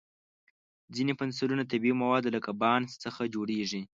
ځینې پنسلونه د طبیعي موادو لکه بانس څخه جوړېږي.